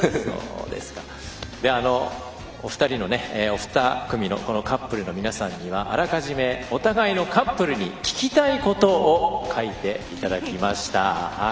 お二組のカップルにはあらかじめお互いのカップルに聞きたいことを書いていただきました。